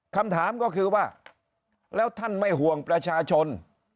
คำถามก็คือว่าแล้วท่านไม่ห่วงประชาชน